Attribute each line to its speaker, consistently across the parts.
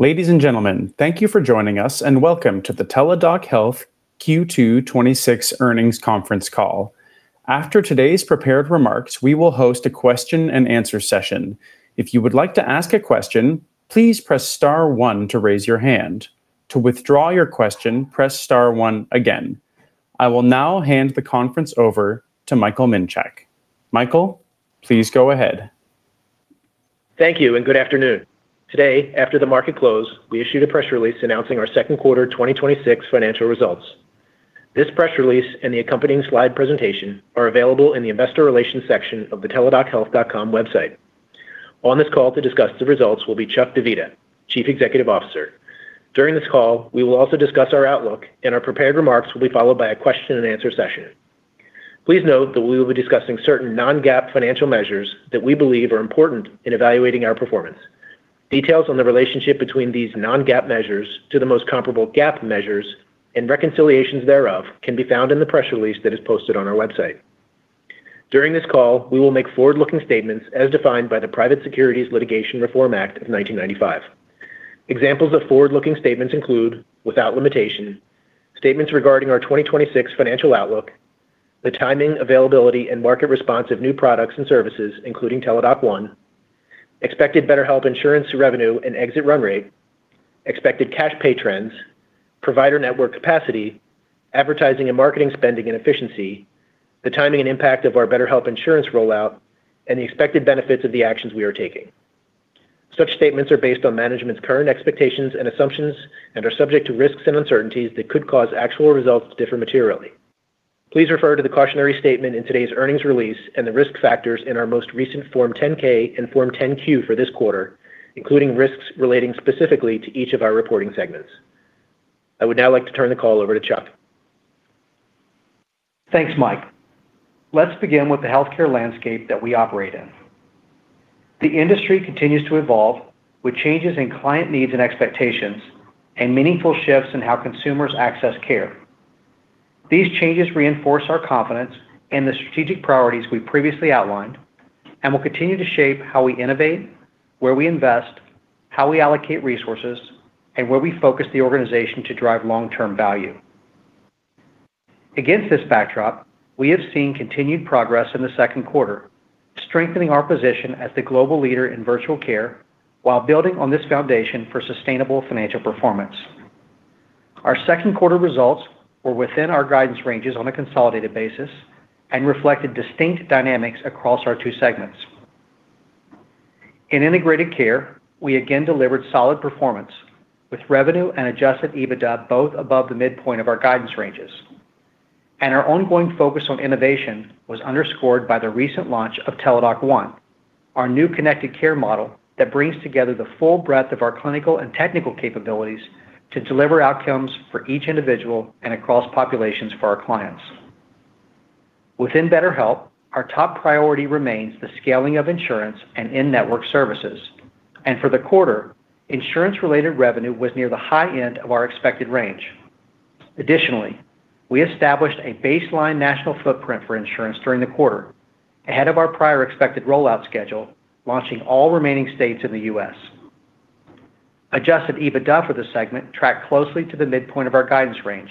Speaker 1: Ladies and gentlemen, thank you for joining us and welcome to the Teladoc Health Q2 2026 earnings conference call. After today's prepared remarks, we will host a question and answer session. If you would like to ask a question, please press star one to raise your hand. To withdraw your question, press star one again. I will now hand the conference over to Michael Minchak. Michael, please go ahead.
Speaker 2: Thank you and good afternoon. Today, after the market close, we issued a press release announcing our second quarter 2026 financial results. This press release and the accompanying slide presentation are available in the investor relations section of the teladochealth.com website. On this call to discuss the results will be Chuck Divita, Chief Executive Officer. Our prepared remarks will be followed by a question and answer session. Please note that we will be discussing certain Non-GAAP financial measures that we believe are important in evaluating our performance. Details on the relationship between these Non-GAAP measures to the most comparable GAAP measures and reconciliations thereof can be found in the press release that is posted on our website. During this call, we will make forward-looking statements as defined by the Private Securities Litigation Reform Act of 1995. Examples of forward-looking statements include, without limitation, statements regarding our 2026 financial outlook, the timing, availability, and market response of new products and services, including Teladoc One, expected BetterHelp insurance revenue and exit run rate, expected cash pay trends, provider network capacity, advertising and marketing spending and efficiency, the timing and impact of our BetterHelp insurance rollout, and the expected benefits of the actions we are taking. Such statements are based on management's current expectations and assumptions and are subject to risks and uncertainties that could cause actual results to differ materially. Please refer to the cautionary statement in today's earnings release and the risk factors in our most recent Form 10-K and Form 10-Q for this quarter, including risks relating specifically to each of our reporting segments. I would now like to turn the call over to Chuck.
Speaker 3: Thanks, Mike. Let's begin with the healthcare landscape that we operate in. The industry continues to evolve with changes in client needs and expectations and meaningful shifts in how consumers access care. These changes reinforce our confidence in the strategic priorities we previously outlined and will continue to shape how we innovate, where we invest, how we allocate resources, and where we focus the organization to drive long-term value. Against this backdrop, we have seen continued progress in the second quarter, strengthening our position as the global leader in virtual care while building on this foundation for sustainable financial performance. Our second quarter results were within our guidance ranges on a consolidated basis and reflected distinct dynamics across our two segments. In Integrated Care, we again delivered solid performance with revenue and adjusted EBITDA both above the midpoint of our guidance ranges. Our ongoing focus on innovation was underscored by the recent launch of Teladoc One, our new connected care model that brings together the full breadth of our clinical and technical capabilities to deliver outcomes for each individual and across populations for our clients. Within BetterHelp, our top priority remains the scaling of insurance and in-network services. For the quarter, insurance-related revenue was near the high end of our expected range. Additionally, we established a baseline national footprint for insurance during the quarter ahead of our prior expected rollout schedule, launching all remaining states in the U.S. Adjusted EBITDA for the segment tracked closely to the midpoint of our guidance range,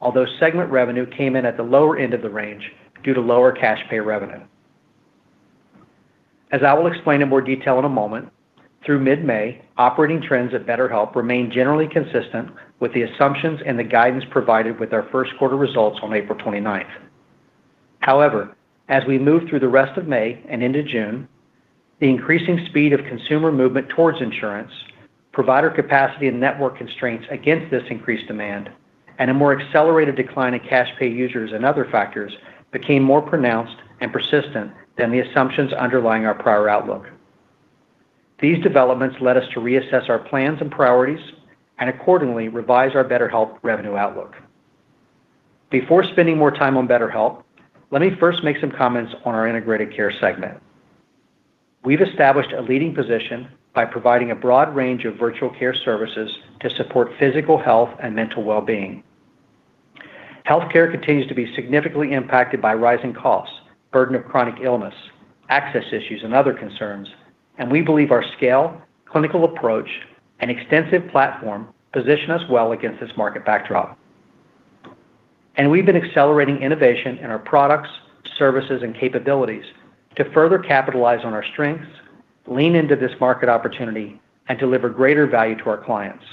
Speaker 3: although segment revenue came in at the lower end of the range due to lower cash pay revenue. As I will explain in more detail in a moment, through mid-May, operating trends at BetterHelp remained generally consistent with the assumptions and the guidance provided with our first quarter results on April 29th. However, as we moved through the rest of May and into June, the increasing speed of consumer movement towards insurance, provider capacity and network constraints against this increased demand, and a more accelerated decline in cash pay users and other factors became more pronounced and persistent than the assumptions underlying our prior outlook. These developments led us to reassess our plans and priorities and accordingly revise our BetterHelp revenue outlook. Before spending more time on BetterHelp, let me first make some comments on our Integrated Care segment. We've established a leading position by providing a broad range of virtual care services to support physical health and mental wellbeing. Healthcare continues to be significantly impacted by rising costs, burden of chronic illness, access issues, and other concerns, and we believe our scale, clinical approach, and extensive platform position us well against this market backdrop. We've been accelerating innovation in our products, services, and capabilities to further capitalize on our strengths, lean into this market opportunity, and deliver greater value to our clients.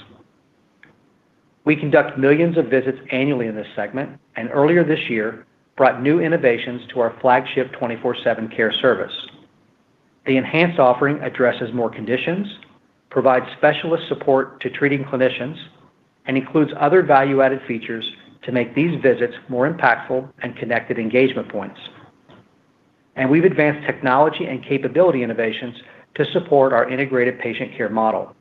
Speaker 3: We conduct millions of visits annually in this segment, and earlier this year brought new innovations to our flagship 24/7 care service. The enhanced offering addresses more conditions, provides specialist support to treating clinicians, and includes other value-added features to make these visits more impactful and connected engagement points. We've advanced technology and capability innovations to support our integrated patient care model.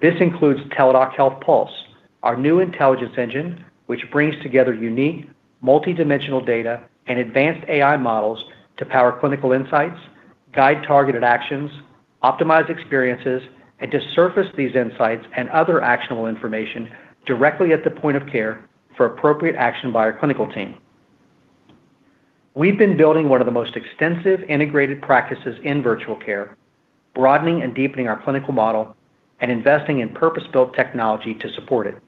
Speaker 3: This includes Teladoc Health Pulse, our new intelligence engine, which brings together unique multidimensional data and advanced AI models to power clinical insights, guide targeted actions, optimize experiences, and to surface these insights and other actionable information directly at the point of care for appropriate action by our clinical team. We've been building one of the most extensive integrated practices in virtual care, broadening and deepening our clinical model, and investing in purpose-built technology to support it.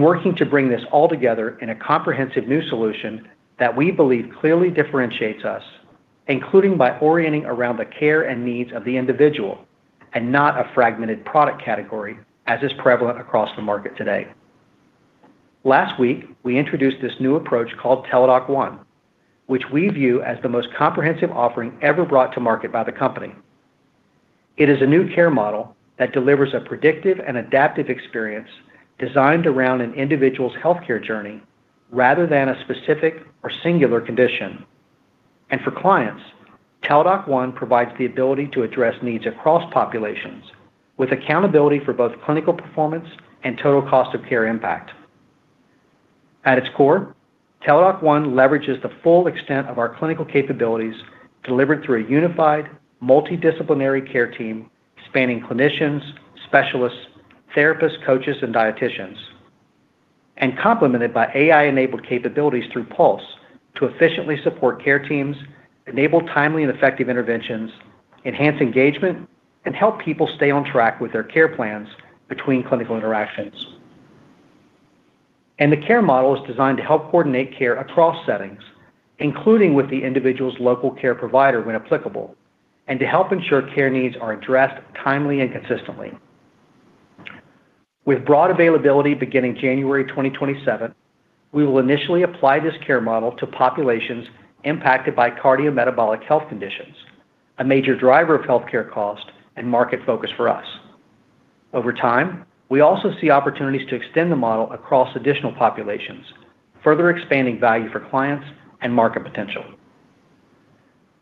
Speaker 3: Working to bring this all together in a comprehensive new solution that we believe clearly differentiates us, including by orienting around the care and needs of the individual and not a fragmented product category as is prevalent across the market today. Last week, we introduced this new approach called Teladoc One, which we view as the most comprehensive offering ever brought to market by the company. It is a new care model that delivers a predictive and adaptive experience designed around an individual's healthcare journey rather than a specific or singular condition. For clients, Teladoc One provides the ability to address needs across populations with accountability for both clinical performance and total cost of care impact. At its core, Teladoc One leverages the full extent of our clinical capabilities delivered through a unified, multidisciplinary care team spanning clinicians, specialists, therapists, coaches, and dieticians. Complemented by AI-enabled capabilities through Pulse to efficiently support care teams, enable timely and effective interventions, enhance engagement, and help people stay on track with their care plans between clinical interactions. The care model is designed to help coordinate care across settings, including with the individual's local care provider when applicable, and to help ensure care needs are addressed timely and consistently. With broad availability beginning January 2027, we will initially apply this care model to populations impacted by cardiometabolic health conditions, a major driver of healthcare cost and market focus for us. Over time, we also see opportunities to extend the model across additional populations, further expanding value for clients and market potential.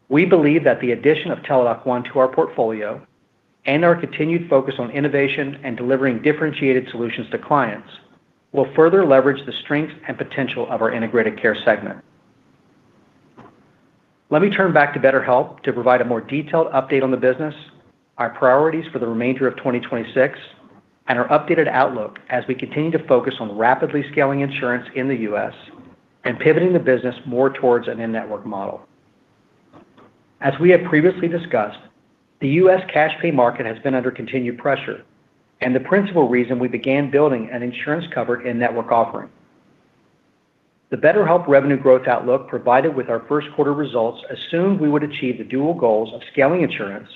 Speaker 3: We believe that the addition of Teladoc One to our portfolio and our continued focus on innovation and delivering differentiated solutions to clients will further leverage the strengths and potential of our Integrated Care segment. Let me turn back to BetterHelp to provide a more detailed update on the business, our priorities for the remainder of 2026, and our updated outlook as we continue to focus on rapidly scaling insurance in the U.S. and pivoting the business more towards an in-network model. As we have previously discussed, the U.S. cash pay market has been under continued pressure and the principal reason we began building an insurance-covered in-network offering. The BetterHelp revenue growth outlook provided with our first quarter results assumed we would achieve the dual goals of scaling insurance,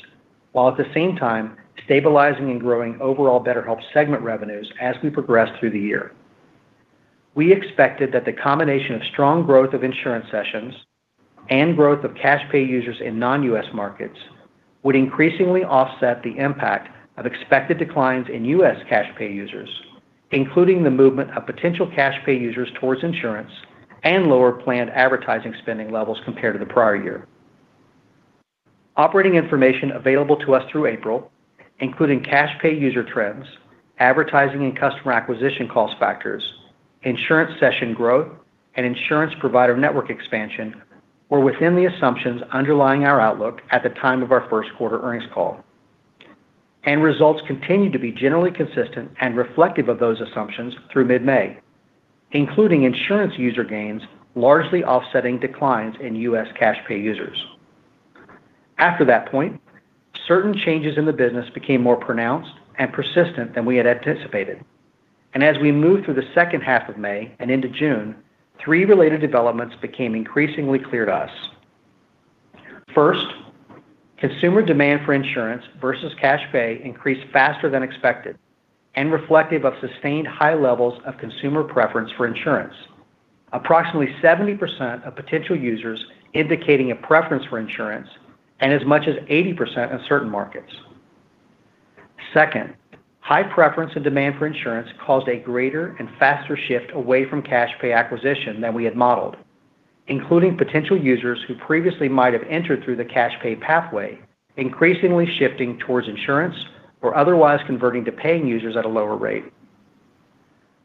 Speaker 3: while at the same time stabilizing and growing overall BetterHelp segment revenues as we progress through the year. We expected that the combination of strong growth of insurance sessions and growth of cash pay users in non-U.S. markets would increasingly offset the impact of expected declines in U.S. cash pay users, including the movement of potential cash pay users towards insurance and lower planned advertising spending levels compared to the prior year. Operating information available to us through April, including cash pay user trends, advertising and customer acquisition cost factors, insurance session growth, and insurance provider network expansion were within the assumptions underlying our outlook at the time of our first quarter earnings call. Results continued to be generally consistent and reflective of those assumptions through mid-May, including insurance user gains largely offsetting declines in U.S. cash pay users. After that point, certain changes in the business became more pronounced and persistent than we had anticipated. As we moved through the second half of May and into June, three related developments became increasingly clear to us. First, consumer demand for insurance versus cash pay increased faster than expected and reflective of sustained high levels of consumer preference for insurance. Approximately 70% of potential users indicating a preference for insurance and as much as 80% in certain markets. Second, high preference and demand for insurance caused a greater and faster shift away from cash pay acquisition than we had modeled, including potential users who previously might have entered through the cash pay pathway, increasingly shifting towards insurance or otherwise converting to paying users at a lower rate.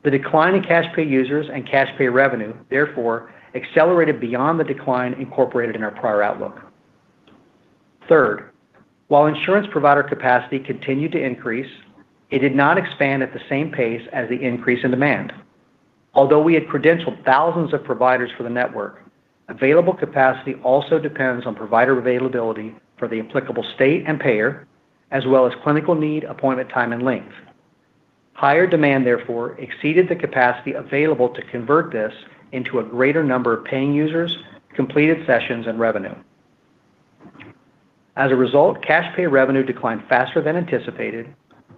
Speaker 3: The decline in cash pay users and cash pay revenue, therefore, accelerated beyond the decline incorporated in our prior outlook. Third, while insurance provider capacity continued to increase, it did not expand at the same pace as the increase in demand. Although we had credentialed thousands of providers for the network, available capacity also depends on provider availability for the applicable state and payer, as well as clinical need, appointment time, and length. Higher demand, therefore, exceeded the capacity available to convert this into a greater number of paying users, completed sessions, and revenue. As a result, cash pay revenue declined faster than anticipated,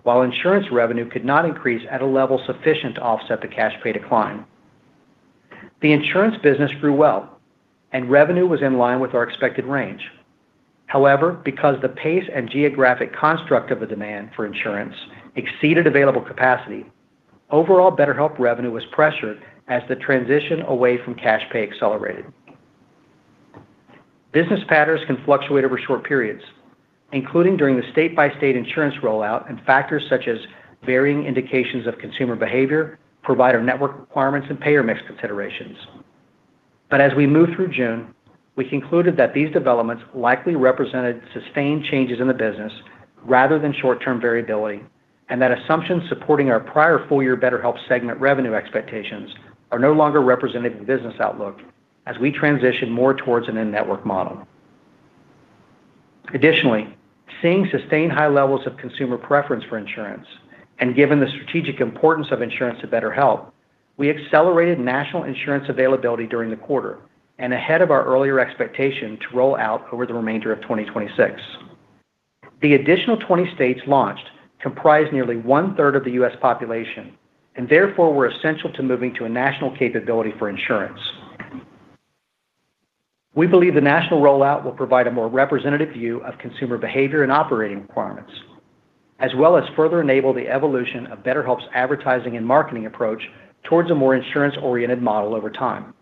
Speaker 3: while insurance revenue could not increase at a level sufficient to offset the cash pay decline. The insurance business grew well, and revenue was in line with our expected range. However, because the pace and geographic construct of the demand for insurance exceeded available capacity, overall BetterHelp revenue was pressured as the transition away from cash pay accelerated. Business patterns can fluctuate over short periods, including during the state-by-state insurance rollout and factors such as varying indications of consumer behavior, provider network requirements, and payer mix considerations. As we moved through June, we concluded that these developments likely represented sustained changes in the business rather than short-term variability, and that assumptions supporting our prior full year BetterHelp segment revenue expectations are no longer representative of the business outlook as we transition more towards an in-network model. Additionally, seeing sustained high levels of consumer preference for insurance, and given the strategic importance of insurance to BetterHelp, we accelerated national insurance availability during the quarter and ahead of our earlier expectation to roll out over the remainder of 2026. The additional 20 states launched comprise nearly one-third of the U.S. population, and therefore, were essential to moving to a national capability for insurance. We believe the national rollout will provide a more representative view of consumer behavior and operating requirements, as well as further enable the evolution of BetterHelp's advertising and marketing approach towards a more insurance-oriented model over time.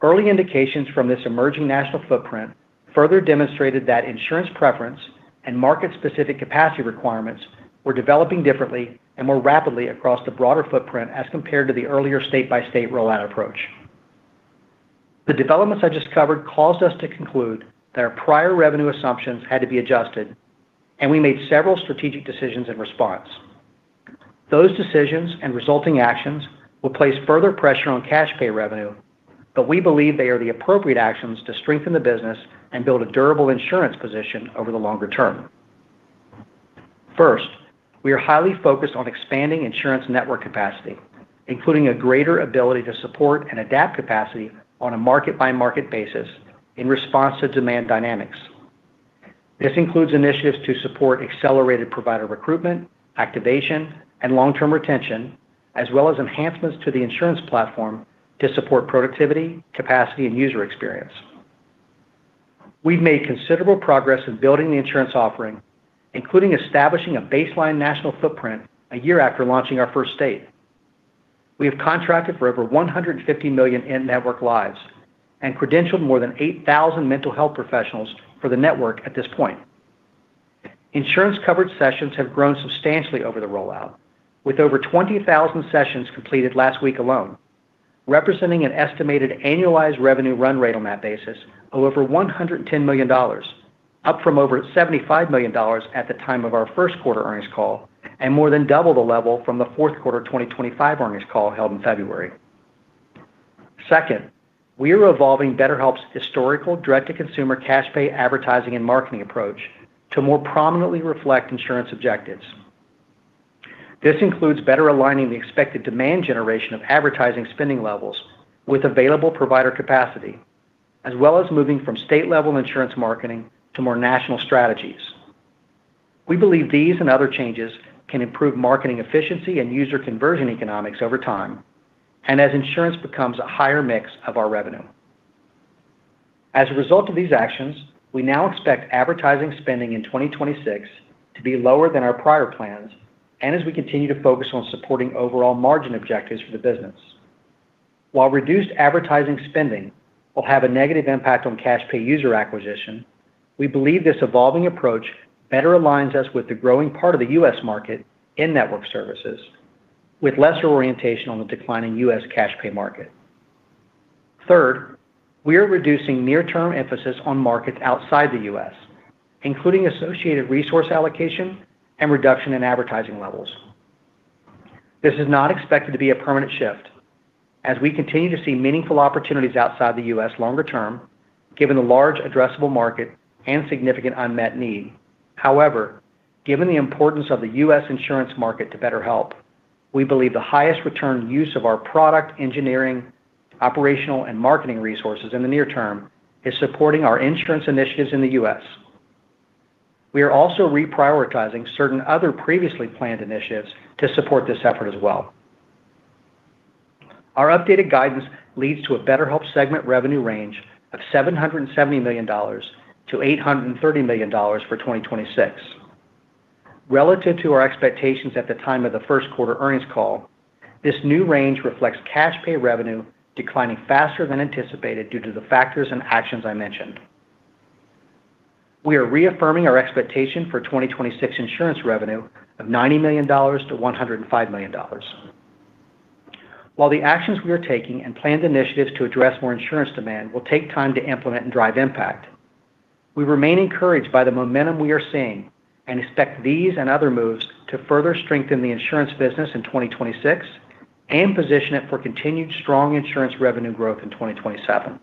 Speaker 3: Early indications from this emerging national footprint further demonstrated that insurance preference and market-specific capacity requirements were developing differently and more rapidly across the broader footprint as compared to the earlier state-by-state rollout approach. The developments I just covered caused us to conclude that our prior revenue assumptions had to be adjusted, and we made several strategic decisions in response. Those decisions and resulting actions will place further pressure on cash pay revenue, but we believe they are the appropriate actions to strengthen the business and build a durable insurance position over the longer term. We are highly focused on expanding insurance network capacity, including a greater ability to support and adapt capacity on a market-by-market basis in response to demand dynamics. This includes initiatives to support accelerated provider recruitment, activation, and long-term retention, as well as enhancements to the insurance platform to support productivity, capacity, and user experience. We've made considerable progress in building the insurance offering, including establishing a baseline national footprint a year after launching our first state. We have contracted for over $150 million in-network lives and credentialed more than 8,000 mental health professionals for the network at this point. Insurance coverage sessions have grown substantially over the rollout, with over 20,000 sessions completed last week alone, representing an estimated annualized revenue run rate on that basis of over $110 million, up from over at $75 million at the time of our first quarter earnings call, and more than double the level from the fourth quarter 2025 earnings call held in February. We are evolving BetterHelp's historical direct-to-consumer cash pay advertising and marketing approach to more prominently reflect insurance objectives. This includes better aligning the expected demand generation of advertising spending levels with available provider capacity, as well as moving from state-level insurance marketing to more national strategies. We believe these and other changes can improve marketing efficiency and user conversion economics over time, as insurance becomes a higher mix of our revenue. As a result of these actions, we now expect advertising spending in 2026 to be lower than our prior plans, as we continue to focus on supporting overall margin objectives for the business. While reduced advertising spending will have a negative impact on cash pay user acquisition, we believe this evolving approach better aligns us with the growing part of the U.S. market in network services with lesser orientation on the declining U.S. cash pay market. We are reducing near-term emphasis on markets outside the U.S., including associated resource allocation and reduction in advertising levels. This is not expected to be a permanent shift as we continue to see meaningful opportunities outside the U.S. longer term, given the large addressable market and significant unmet need. Given the importance of the U.S. insurance market to BetterHelp, we believe the highest return use of our product engineering, operational, and marketing resources in the near term is supporting our insurance initiatives in the U.S. We are also reprioritizing certain other previously planned initiatives to support this effort as well. Our updated guidance leads to a BetterHelp segment revenue range of $770 million-$830 million for 2026. Relative to our expectations at the time of the first quarter earnings call, this new range reflects cash pay revenue declining faster than anticipated due to the factors and actions I mentioned. We are reaffirming our expectation for 2026 insurance revenue of $90 million-$105 million. While the actions we are taking and planned initiatives to address more insurance demand will take time to implement and drive impact, we remain encouraged by the momentum we are seeing and expect these and other moves to further strengthen the insurance business in 2026 and position it for continued strong insurance revenue growth in 2027.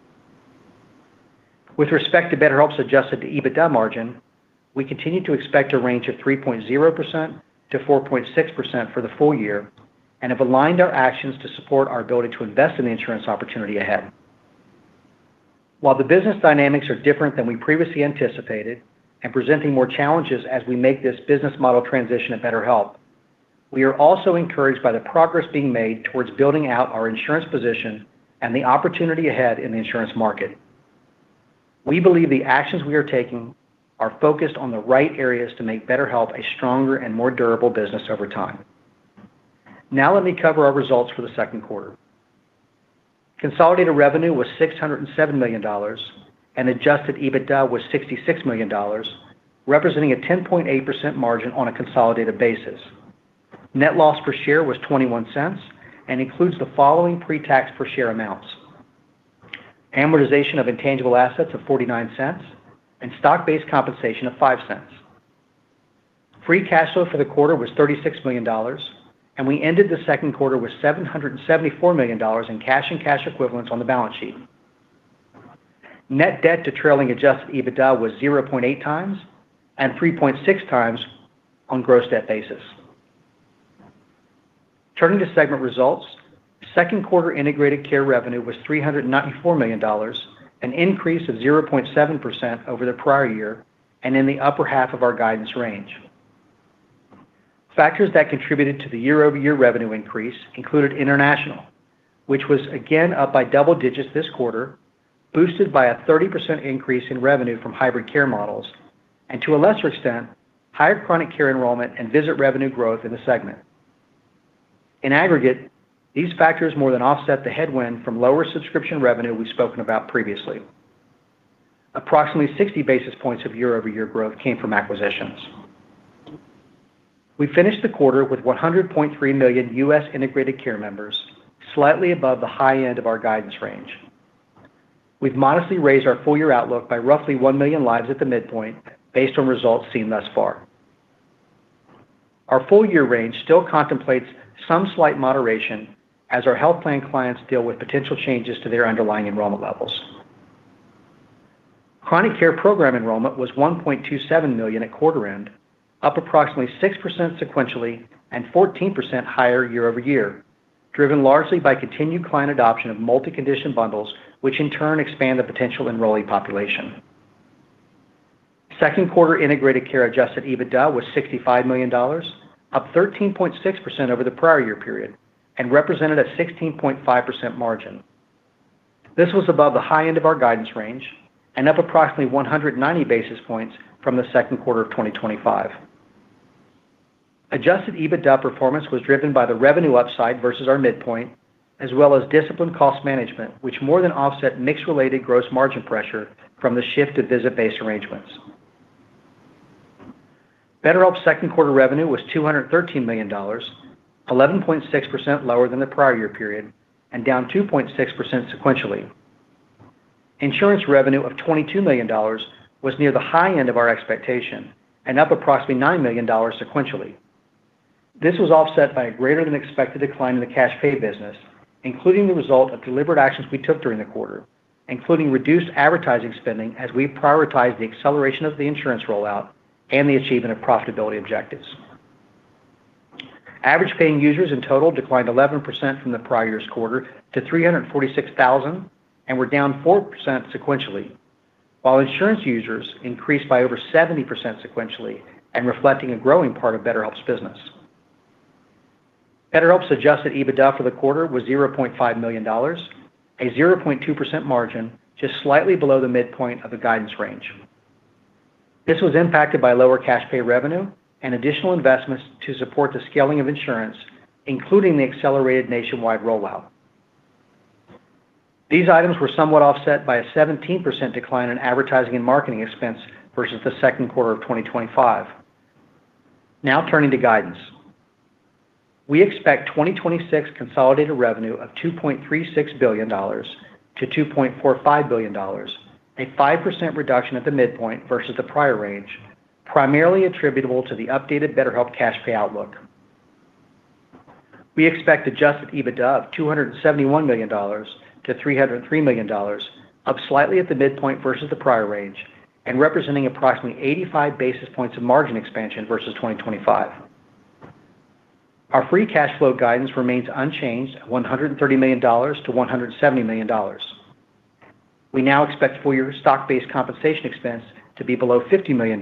Speaker 3: With respect to BetterHelp's adjusted EBITDA margin, we continue to expect a range of 3.0%-4.6% for the full year and have aligned our actions to support our ability to invest in the insurance opportunity ahead. While the business dynamics are different than we previously anticipated and presenting more challenges as we make this business model transition at BetterHelp, we are also encouraged by the progress being made towards building out our insurance position and the opportunity ahead in the insurance market. We believe the actions we are taking are focused on the right areas to make BetterHelp a stronger and more durable business over time. Now let me cover our results for the second quarter. Consolidated revenue was $607 million, and adjusted EBITDA was $66 million, representing a 10.8% margin on a consolidated basis. Net loss per share was $0.21 and includes the following pre-tax per share amounts. Amortization of intangible assets of $0.49 and stock-based compensation of $0.05. Free cash flow for the quarter was $36 million. And we ended the second quarter with $774 million in cash and cash equivalents on the balance sheet. Net debt to trailing adjusted EBITDA was 0.8 times, and 3.6 times on gross debt basis. Turning to segment results, second quarter Integrated Care revenue was $394 million, an increase of 0.7% over the prior year, and in the upper half of our guidance range. Factors that contributed to the year-over-year revenue increase included international, which was again up by double digits this quarter, boosted by a 30% increase in revenue from hybrid care models and, to a lesser extent, higher chronic care enrollment and visit revenue growth in the segment. In aggregate, these factors more than offset the headwind from lower subscription revenue we've spoken about previously. Approximately 60 basis points of year-over-year growth came from acquisitions. We finished the quarter with 100.3 million U.S. Integrated Care members, slightly above the high end of our guidance range. We've modestly raised our full year outlook by roughly 1 million lives at the midpoint based on results seen thus far. Our full year range still contemplates some slight moderation as our health plan clients deal with potential changes to their underlying enrollment levels. Chronic care program enrollment was 1.27 million at quarter end, up approximately 6% sequentially and 14% higher year-over-year, driven largely by continued client adoption of multi-condition bundles, which in turn expand the potential enrollee population. Second quarter Integrated Care adjusted EBITDA was $65 million, up 13.6% over the prior year period and represented a 16.5% margin. This was above the high end of our guidance range and up approximately 190 basis points from the second quarter of 2025. Adjusted EBITDA performance was driven by the revenue upside versus our midpoint, as well as disciplined cost management, which more than offset mix-related gross margin pressure from the shift to visit-based arrangements. BetterHelp's second quarter revenue was $213 million, 11.6% lower than the prior year period and down 2.6% sequentially. Insurance revenue of $22 million was near the high end of our expectation and up approximately $9 million sequentially. This was offset by a greater than expected decline in the cash pay business, including the result of deliberate actions we took during the quarter, including reduced advertising spending as we prioritize the acceleration of the insurance rollout and the achievement of profitability objectives. Average paying users in total declined 11% from the prior year's quarter to 346,000, and were down 4% sequentially, while insurance users increased by over 70% sequentially and reflecting a growing part of BetterHelp's business. BetterHelp's adjusted EBITDA for the quarter was $0.5 million, a 0.2% margin, just slightly below the midpoint of the guidance range. This was impacted by lower cash pay revenue and additional investments to support the scaling of insurance, including the accelerated nationwide rollout. These items were somewhat offset by a 17% decline in advertising and marketing expense versus the second quarter of 2025. Now turning to guidance. We expect 2026 consolidated revenue of $2.36 billion-$2.45 billion, a 5% reduction at the midpoint versus the prior range, primarily attributable to the updated BetterHelp cash pay outlook. We expect adjusted EBITDA of $271 million-$303 million, up slightly at the midpoint versus the prior range, and representing approximately 85 basis points of margin expansion versus 2025. Our free cash flow guidance remains unchanged at $130 million-$170 million. We now expect full year stock-based compensation expense to be below $50 million,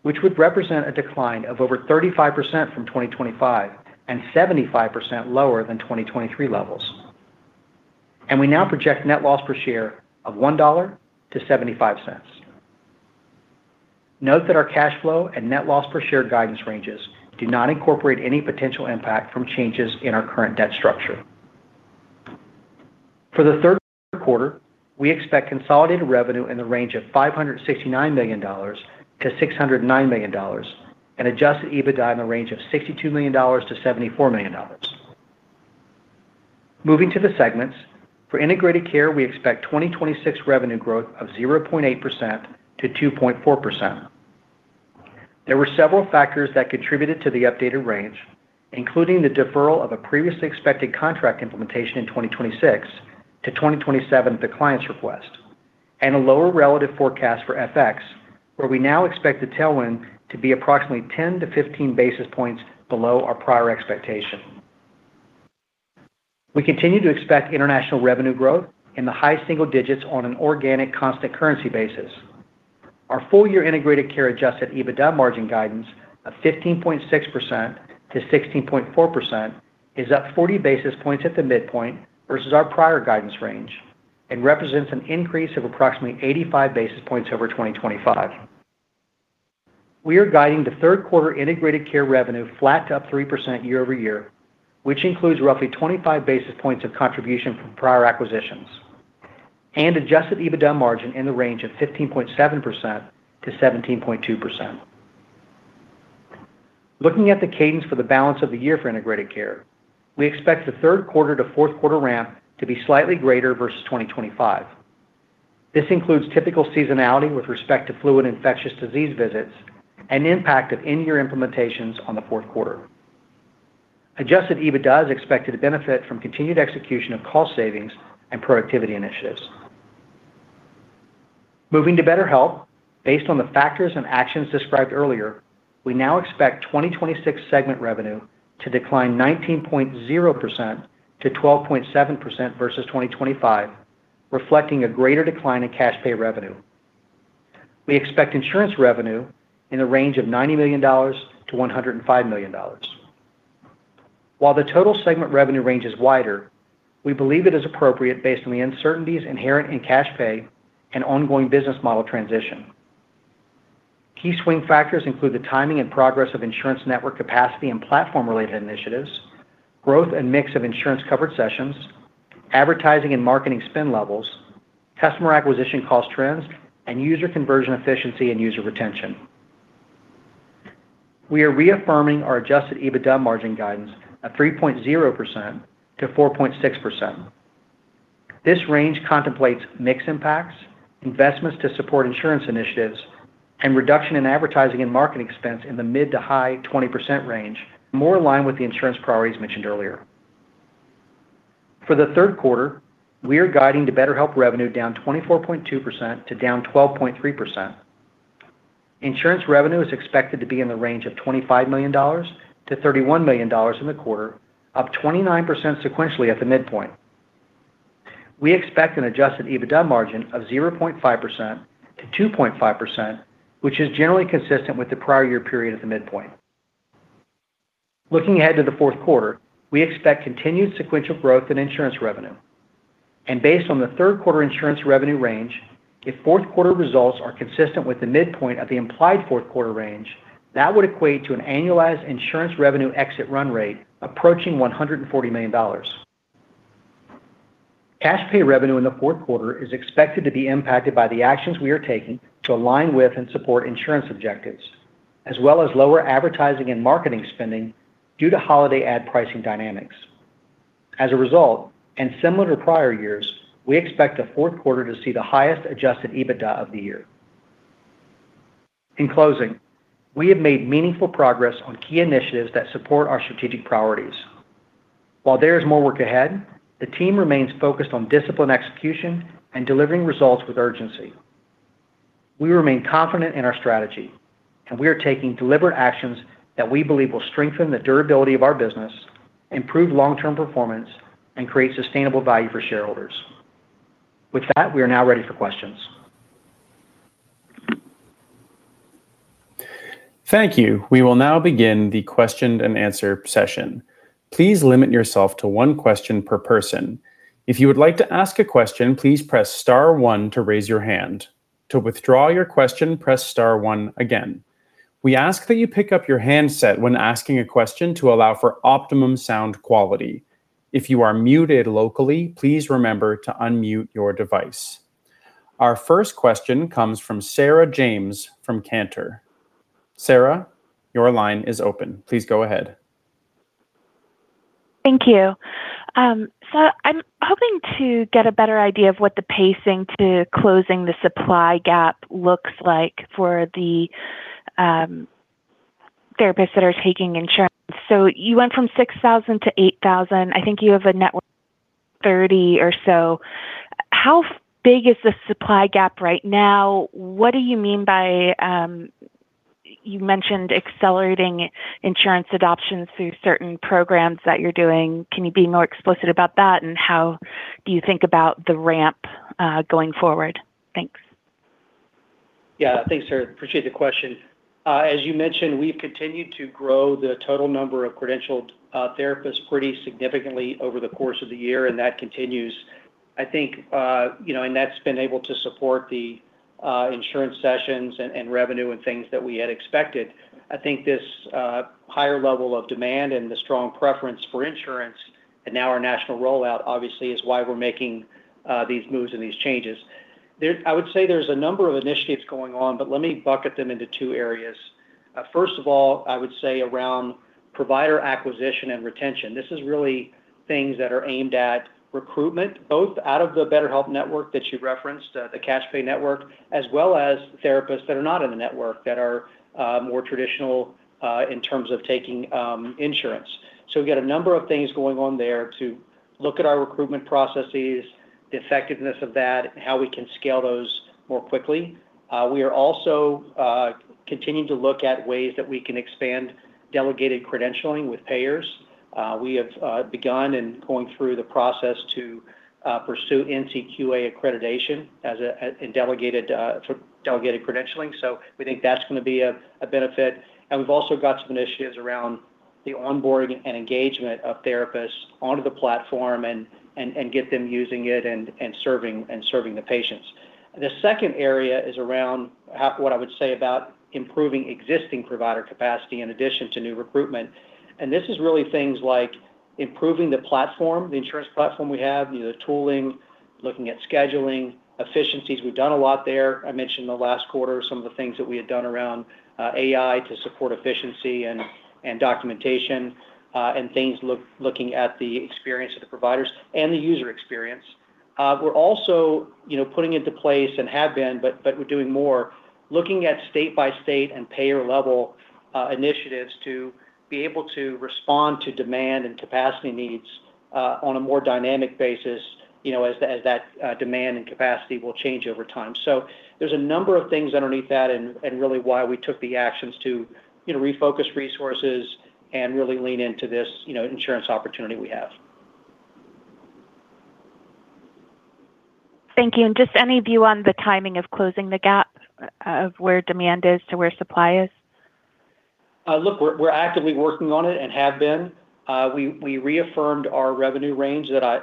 Speaker 3: which would represent a decline of over 35% from 2025 and 75% lower than 2023 levels. We now project net loss per share of $1-$0.75. Note that our cash flow and net loss per share guidance ranges do not incorporate any potential impact from changes in our current debt structure. For the third quarter, we expect consolidated revenue in the range of $569 million-$609 million and adjusted EBITDA in the range of $62 million-$74 million. Moving to the segments. For Integrated Care, we expect 2026 revenue growth of 0.8%-2.4%. There were several factors that contributed to the updated range, including the deferral of a previously expected contract implementation in 2026-2027 at the client's request, and a lower relative forecast for FX, where we now expect the tailwind to be approximately 10 basis points-15 basis points below our prior expectation. We continue to expect international revenue growth in the high single digits on an organic constant currency basis. Our full year Integrated Care adjusted EBITDA margin guidance of 15.6%-16.4% is up 40 basis points at the midpoint versus our prior guidance range and represents an increase of approximately 85 basis points over 2025. We are guiding the third quarter Integrated Care revenue flat to up 3% year-over-year, which includes roughly 25 basis points of contribution from prior acquisitions. Adjusted EBITDA margin in the range of 15.7%-17.2%. Looking at the cadence for the balance of the year for Integrated Care, we expect the third quarter to fourth quarter ramp to be slightly greater versus 2025. This includes typical seasonality with respect to flu and infectious disease visits and impact of in-year implementations on the fourth quarter. Adjusted EBITDA is expected to benefit from continued execution of cost savings and productivity initiatives. Moving to BetterHelp. Based on the factors and actions described earlier, we now expect 2026 segment revenue to decline 19.0%-12.7% versus 2025, reflecting a greater decline in cash pay revenue. We expect insurance revenue in the range of $90 million-$105 million. While the total segment revenue range is wider, we believe it is appropriate based on the uncertainties inherent in cash pay and ongoing business model transition. Key swing factors include the timing and progress of insurance network capacity and platform-related initiatives, growth and mix of insurance-covered sessions, advertising and marketing spend levels, customer acquisition cost trends, and user conversion efficiency and user retention. We are reaffirming our adjusted EBITDA margin guidance of 3.0%-4.6%. This range contemplates mix impacts, investments to support insurance initiatives, and reduction in advertising and marketing expense in the mid to high 20% range, more in line with the insurance priorities mentioned earlier. For the third quarter, we are guiding to BetterHelp revenue down 24.2%-12.3%. Insurance revenue is expected to be in the range of $25 million-$31 million in the quarter, up 29% sequentially at the midpoint. We expect an adjusted EBITDA margin of 0.5%-2.5%, which is generally consistent with the prior year period at the midpoint. Looking ahead to the fourth quarter, we expect continued sequential growth in insurance revenue. Based on the third quarter insurance revenue range, if fourth quarter results are consistent with the midpoint of the implied fourth quarter range, that would equate to an annualized insurance revenue exit run rate approaching $140 million. Cash pay revenue in the fourth quarter is expected to be impacted by the actions we are taking to align with and support insurance objectives, as well as lower advertising and marketing spending due to holiday ad pricing dynamics. As a result, and similar to prior years, we expect the fourth quarter to see the highest adjusted EBITDA of the year. In closing, we have made meaningful progress on key initiatives that support our strategic priorities. While there is more work ahead, the team remains focused on disciplined execution and delivering results with urgency. We remain confident in our strategy, and we are taking deliberate actions that we believe will strengthen the durability of our business, improve long-term performance, and create sustainable value for shareholders. With that, we are now ready for questions.
Speaker 1: Thank you. We will now begin the question and answer session. Please limit yourself to one question per person. If you would like to ask a question, please press star one to raise your hand. To withdraw your question, press star one again. We ask that you pick up your handset when asking a question to allow for optimum sound quality. If you are muted locally, please remember to unmute your device. Our first question comes from Sarah James from Cantor. Sarah, your line is open. Please go ahead.
Speaker 4: Thank you. You went from 6,000-8,000. I think you have a network 30,000 or so. How big is the supply gap right now? What do you mean by, you mentioned accelerating insurance adoptions through certain programs that you're doing. Can you be more explicit about that, and how do you think about the ramp going forward? Thanks.
Speaker 3: Yeah, thanks, Sarah. Appreciate the question. As you mentioned, we've continued to grow the total number of credentialed therapists pretty significantly over the course of the year, and that continues. That's been able to support the insurance sessions and revenue and things that we had expected. I think this higher level of demand and the strong preference for insurance, now our national rollout, obviously, is why we're making these moves and these changes. I would say there's a number of initiatives going on, but let me bucket them into two areas. First of all, I would say around provider acquisition and retention. This is really things that are aimed at recruitment, both out of the BetterHelp network that you referenced, the cash pay network, as well as therapists that are not in the network that are more traditional in terms of taking insurance. We've got a number of things going on there to look at our recruitment processes, the effectiveness of that, and how we can scale those more quickly. We are also continuing to look at ways that we can expand delegated credentialing with payers. We have begun in going through the process to pursue NCQA accreditation for delegated credentialing. We think that's going to be a benefit. We've also got some initiatives around the onboarding and engagement of therapists onto the platform and get them using it and serving the patients. The second area is around what I would say about improving existing provider capacity in addition to new recruitment. This is really things like improving the platform, the insurance platform we have, the tooling, looking at scheduling efficiencies. We've done a lot there. I mentioned in the last quarter some of the things that we had done around AI to support efficiency and documentation, things looking at the experience of the providers and the user experience. We're also putting into place and have been, but we're doing more, looking at state-by-state and payer level initiatives to be able to respond to demand and capacity needs on a more dynamic basis, as that demand and capacity will change over time. There's a number of things underneath that and really why we took the actions to refocus resources and really lean into this insurance opportunity we have.
Speaker 4: Thank you. Just any view on the timing of closing the gap of where demand is to where supply is?
Speaker 3: Look, we're actively working on it and have been. We reaffirmed our revenue range that I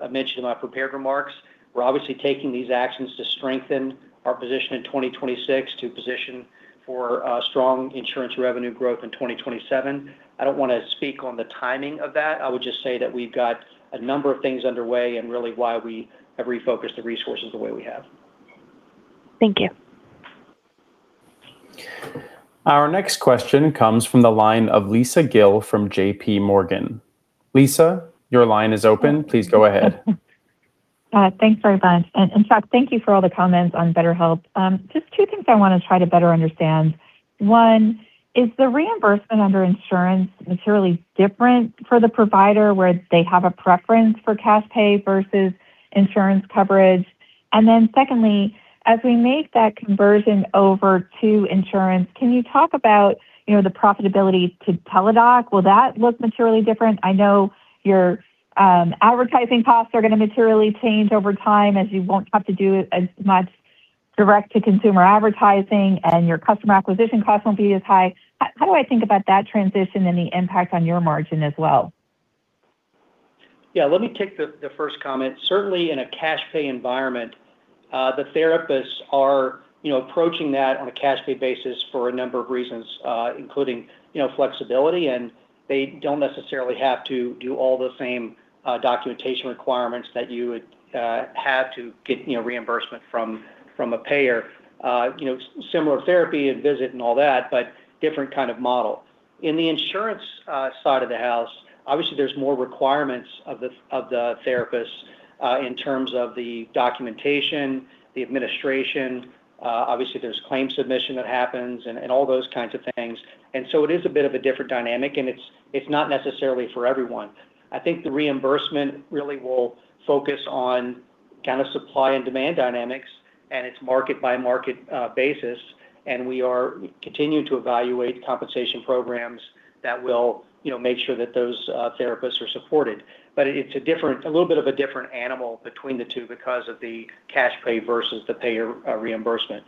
Speaker 3: had mentioned in my prepared remarks. We're obviously taking these actions to strengthen our position in 2026 to position for strong insurance revenue growth in 2027. I don't want to speak on the timing of that. I would just say that we've got a number of things underway and really why we have refocused the resources the way we have.
Speaker 4: Thank you.
Speaker 1: Our next question comes from the line of Lisa Gill from JPMorgan. Lisa, your line is open. Please go ahead.
Speaker 5: Thanks very much. In fact, thank you for all the comments on BetterHelp. Just two things I want to try to better understand. One, is the reimbursement under insurance materially different for the provider, where they have a preference for cash pay versus insurance coverage? Secondly, as we make that conversion over to insurance, can you talk about the profitability to Teladoc? Will that look materially different? I know your advertising costs are going to materially change over time as you won't have to do as much direct-to-consumer advertising, and your customer acquisition costs won't be as high. How do I think about that transition and the impact on your margin as well?
Speaker 3: Let me take the first comment. Certainly in a cash pay environment, the therapists are approaching that on a cash pay basis for a number of reasons, including flexibility. They don't necessarily have to do all the same documentation requirements that you would have to get reimbursement from a payer. Similar therapy and visit and all that, but different kind of model. In the insurance side of the house, obviously there's more requirements of the therapists, in terms of the documentation, the administration. Obviously there's claim submission that happens and all those kinds of things. It is a bit of a different dynamic, and it's not necessarily for everyone. I think the reimbursement really will focus on kind of supply and demand dynamics, and its market-by-market basis. We continue to evaluate compensation programs that will make sure that those therapists are supported. It's a little bit of a different animal between the two because of the cash pay versus the payer reimbursement.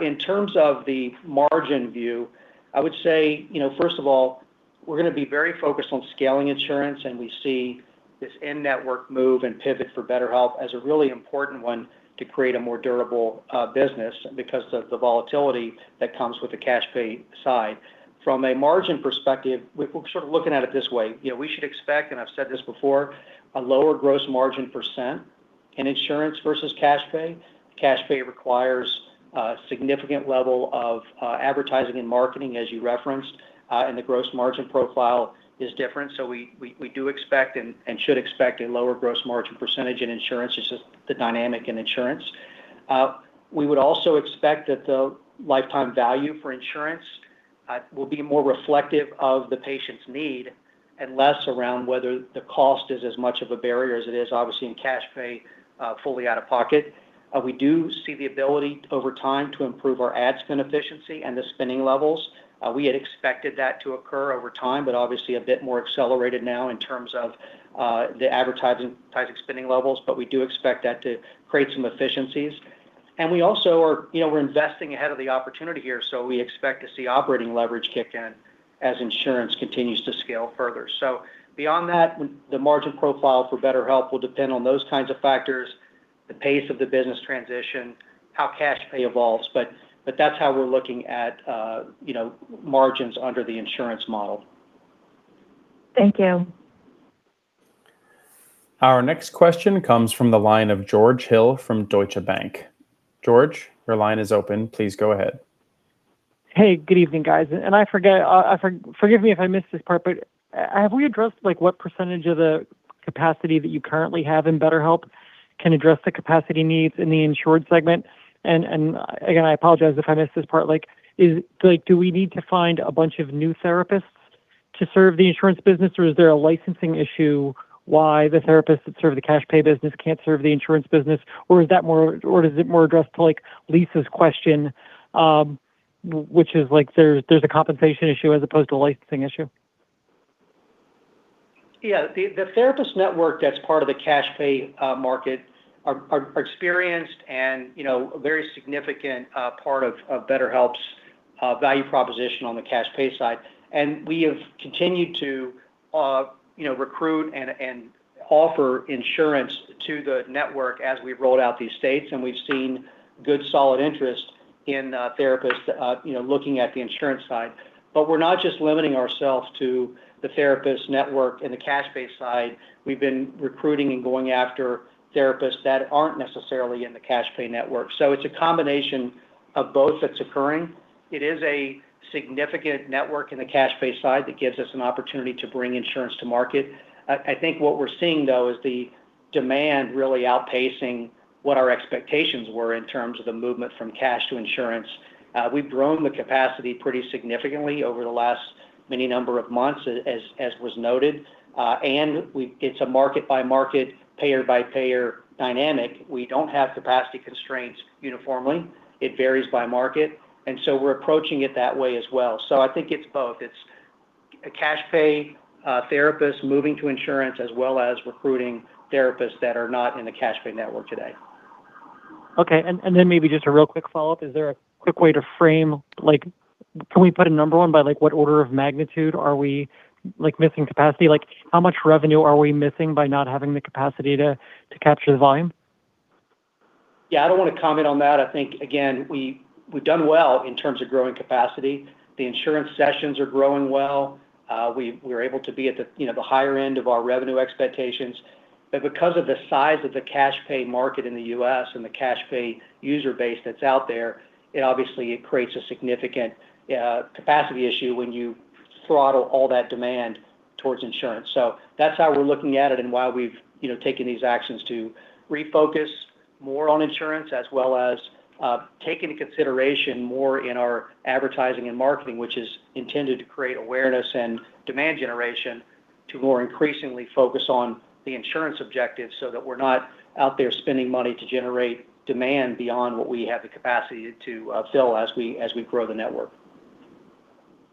Speaker 3: In terms of the margin view, I would say, first of all, we're going to be very focused on scaling insurance. We see this in-network move and pivot for BetterHelp as a really important one to create a more durable business because of the volatility that comes with the cash pay side. From a margin perspective, we're sort of looking at it this way. We should expect, I've said this before, a lower gross margin % in insurance versus cash pay. Cash pay requires a significant level of advertising and marketing, as you referenced. The gross margin profile is different. We do expect and should expect a lower gross margin % in insurance. It's just the dynamic in insurance. We would also expect that the lifetime value for insurance will be more reflective of the patient's need and less around whether the cost is as much of a barrier as it is obviously in cash pay, fully out of pocket. We do see the ability over time to improve our ad spend efficiency and the spending levels. We had expected that to occur over time, obviously a bit more accelerated now in terms of the advertising spending levels. We do expect that to create some efficiencies. We're investing ahead of the opportunity here, we expect to see operating leverage kick in as insurance continues to scale further. Beyond that, the margin profile for BetterHelp will depend on those kinds of factors, the pace of the business transition, how cash pay evolves. That's how we're looking at margins under the insurance model.
Speaker 5: Thank you.
Speaker 1: Our next question comes from the line of George Hill from Deutsche Bank. George, your line is open. Please go ahead.
Speaker 6: Hey, good evening, guys. Forgive me if I missed this part, but have we addressed what percentage of the capacity that you currently have in BetterHelp can address the capacity needs in the insured segment? Again, I apologize if I missed this part. Do we need to find a bunch of new therapists to serve the insurance business, or is there a licensing issue why the therapists that serve the cash pay business can't serve the insurance business? Or is it more addressed to Lisa's question, which is there's a compensation issue as opposed to a licensing issue?
Speaker 3: Yeah. The therapist network that's part of the cash pay market are experienced a very significant part of BetterHelp's value proposition on the cash pay side. We have continued to recruit and offer insurance to the network as we've rolled out these states, We've seen good, solid interest in therapists looking at the insurance side. We're not just limiting ourselves to the therapist network and the cash pay side. We've been recruiting and going after therapists that aren't necessarily in the cash pay network. It's a combination of both that's occurring. It is a significant network in the cash pay side that gives us an opportunity to bring insurance to market. I think what we're seeing, though, is the demand really outpacing what our expectations were in terms of the movement from cash to insurance. We've grown the capacity pretty significantly over the last many number of months, as was noted. It's a market-by-market, payer-by-payer dynamic. We don't have capacity constraints uniformly. It varies by market. We're approaching it that way as well. I think it's both. It's a cash pay therapist moving to insurance as well as recruiting therapists that are not in the cash pay network today.
Speaker 6: Okay. Maybe just a real quick follow-up. Is there a quick way to frame, can we put a number on by what order of magnitude are we missing capacity? How much revenue are we missing by not having the capacity to capture the volume?
Speaker 3: Yeah, I don't want to comment on that. I think, again, we've done well in terms of growing capacity. The insurance sessions are growing well. We're able to be at the higher end of our revenue expectations. Because of the size of the cash pay market in the U.S. and the cash pay user base that's out there, it obviously creates a significant capacity issue when you throttle all that demand towards insurance. That's how we're looking at it and why we've taken these actions to refocus more on insurance, as well as take into consideration more in our advertising and marketing, which is intended to create awareness and demand generation to more increasingly focus on the insurance objective so that we're not out there spending money to generate demand beyond what we have the capacity to fulfill as we grow the network.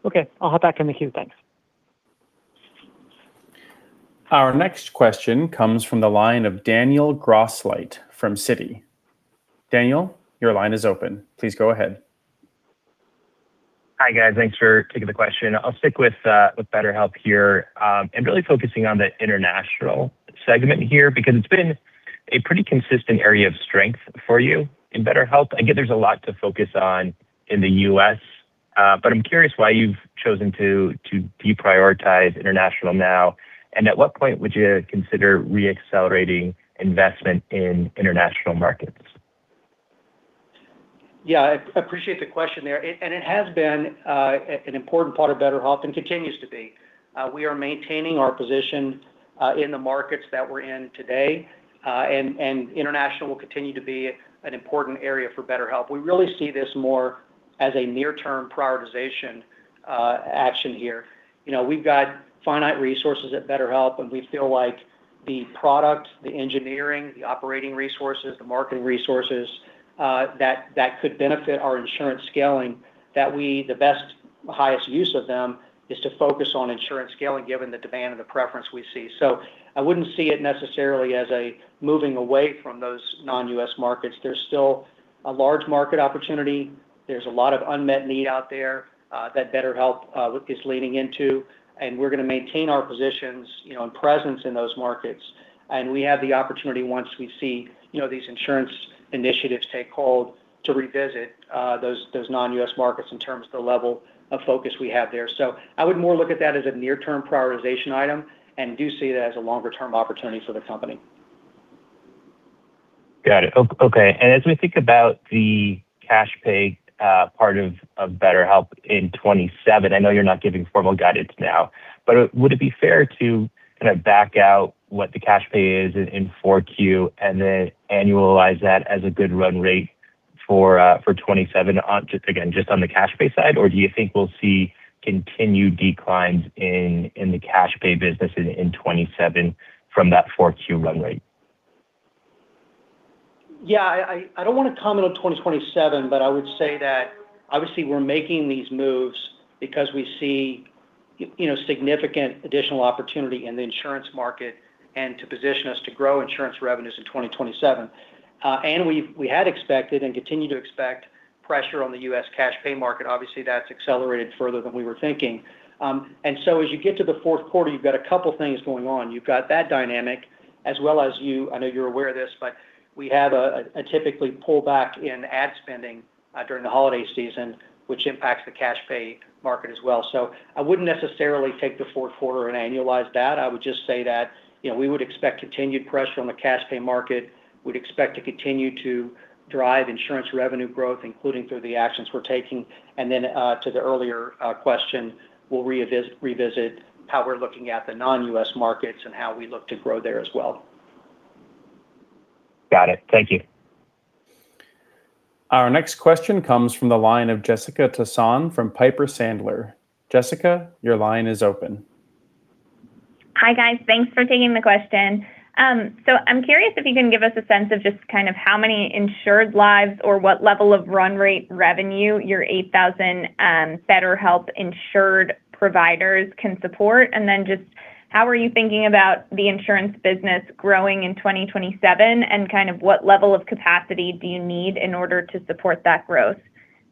Speaker 6: Okay. I'll hop back in the queue. Thanks.
Speaker 1: Our next question comes from the line of Daniel Grosslight from Citi. Daniel, your line is open. Please go ahead.
Speaker 7: Hi, guys. Thanks for taking the question. I'll stick with BetterHelp here, and really focusing on the international segment here, because it's been a pretty consistent area of strength for you in BetterHelp. I get there's a lot to focus on in the U.S., but I'm curious why you've chosen to deprioritize international now, and at what point would you consider re-accelerating investment in international markets?
Speaker 3: Yeah, I appreciate the question there. It has been an important part of BetterHelp and continues to be. We are maintaining our position in the markets that we're in today, and international will continue to be an important area for BetterHelp. We really see this more as a near term prioritization action here. We've got finite resources at BetterHelp, and we feel like the product, the engineering, the operating resources, the marketing resources that could benefit our insurance scaling, that the best, highest use of them is to focus on insurance scaling given the demand and the preference we see. I wouldn't see it necessarily as a moving away from those non-U.S. markets. There's still a large market opportunity. There's a lot of unmet need out there that BetterHelp is leading into, and we're going to maintain our positions and presence in those markets. We have the opportunity once we see these insurance initiatives take hold to revisit those non-U.S. markets in terms of the level of focus we have there. I would more look at that as a near term prioritization item and do see it as a longer term opportunity for the company.
Speaker 7: Got it. Okay. As we think about the cash pay part of BetterHelp in 2027, I know you're not giving formal guidance now, but would it be fair to back out what the cash pay is in 4Q and then annualize that as a good run rate for 2027, again, just on the cash pay side, or do you think we'll see continued declines in the cash pay business in 2027 from that 4Q run rate?
Speaker 3: Yeah, I don't want to comment on 2027, but I would say that obviously we're making these moves because we see significant additional opportunity in the insurance market and to position us to grow insurance revenues in 2027. We had expected and continue to expect pressure on the U.S. cash pay market. Obviously, that's accelerated further than we were thinking. As you get to the fourth quarter, you've got a couple things going on. You've got that dynamic as well as you, I know you're aware of this, but we have a typically pull back in ad spending during the holiday season, which impacts the cash pay market as well. I wouldn't necessarily take the fourth quarter and annualize that. I would just say that we would expect continued pressure on the cash pay market. We'd expect to continue to drive insurance revenue growth, including through the actions we're taking. To the earlier question, we'll revisit how we're looking at the non-U.S. markets and how we look to grow there as well.
Speaker 7: Got it. Thank you.
Speaker 1: Our next question comes from the line of Jessica Tassan from Piper Sandler. Jessica, your line is open.
Speaker 8: Hi, guys. Thanks for taking the question. I'm curious if you can give us a sense of just how many insured lives or what level of run rate revenue your 8,000 BetterHelp insured providers can support, and then just. How are you thinking about the insurance business growing in 2027, and what level of capacity do you need in order to support that growth?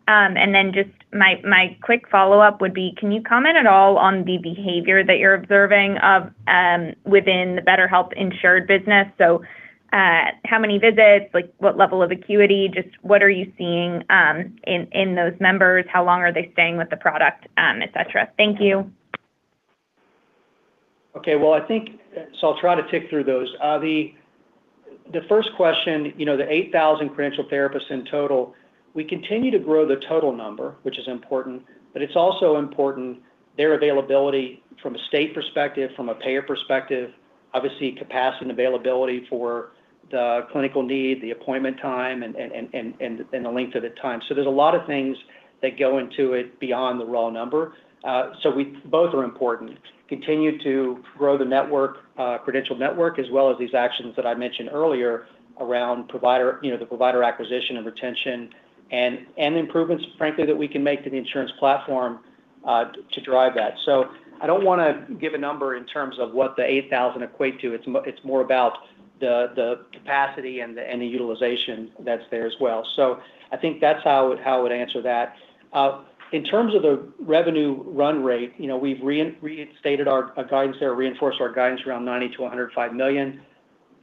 Speaker 8: Then just my quick follow-up would be, can you comment at all on the behavior that you're observing within the BetterHelp insured business? How many visits? What level of acuity? Just what are you seeing in those members? How long are they staying with the product, et cetera? Thank you.
Speaker 3: Okay. Well, I think, I'll try to tick through those. The first question, the 8,000 credentialed therapists in total, we continue to grow the total number, which is important, but it's also important their availability from a state perspective, from a payer perspective, obviously capacity and availability for the clinical need, the appointment time, and the length of the time. There's a lot of things that go into it beyond the raw number. Both are important. Continue to grow the credential network, as well as these actions that I mentioned earlier around the provider acquisition and retention, and improvements, frankly, that we can make to the insurance platform to drive that. I don't want to give a number in terms of what the 8,000 equate to. It's more about the capacity and the utilization that's there as well. I think that's how I would answer that. In terms of the revenue run rate, we've reinstated our guidance there, reinforced our guidance around $90 million-$105 million.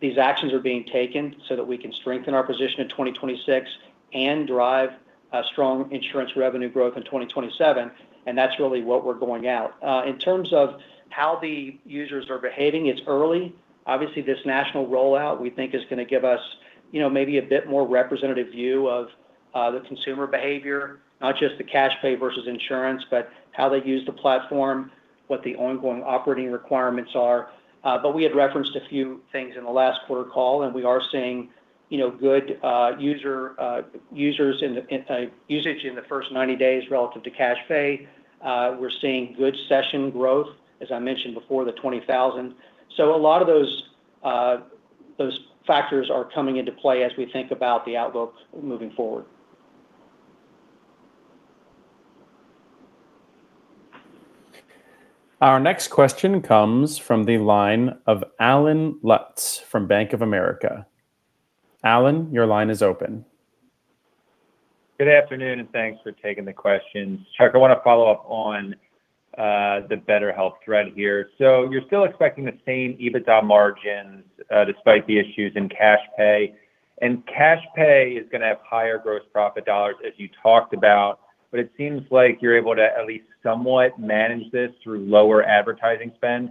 Speaker 3: These actions are being taken so that we can strengthen our position in 2026 and drive a strong insurance revenue growth in 2027, and that's really what we're going at. In terms of how the users are behaving, it's early. Obviously, this national rollout, we think, is going to give us maybe a bit more representative view of the consumer behavior. Not just the cash pay versus insurance, but how they use the platform, what the ongoing operating requirements are. We had referenced a few things in the last quarter call, and we are seeing good usage in the first 90 days relative to cash pay. We're seeing good session growth, as I mentioned before, the 20,000. A lot of those factors are coming into play as we think about the outlook moving forward.
Speaker 1: Our next question comes from the line of Allen Lutz from Bank of America. Allen, your line is open.
Speaker 9: Good afternoon, and thanks for taking the questions. Chuck, I want to follow up on the BetterHelp thread here. You're still expecting the same EBITDA margins despite the issues in cash pay. Cash pay is going to have higher gross profit dollars as you talked about, but it seems like you're able to at least somewhat manage this through lower advertising spend.